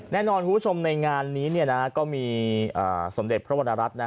แน่นอนคุณผู้ชมในงานนี้ก็มีสมเด็จพระวรรณรัฐ